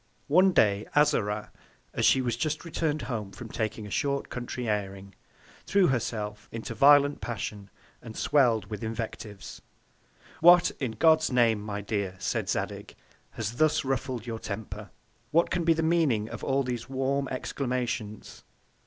One Day Azora, as she was just return'd home from taking a short Country airing, threw herself into a violent Passion, and swell'd with Invectives. What, in God's Name, my Dear, said Zadig, has thus ruffled your Temper? What can be the Meaning of all these warm Exclamations?